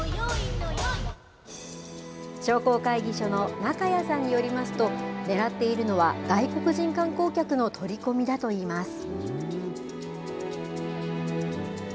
商工会議所の中矢さんによりますと、狙っているのは、外国人観光客の取り込みだといいます。